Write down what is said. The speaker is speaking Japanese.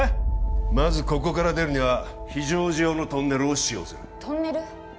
まずここから出るには非常時用のトンネルを使用するトンネル？